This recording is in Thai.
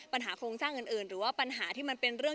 โครงสร้างอื่นหรือว่าปัญหาที่มันเป็นเรื่อง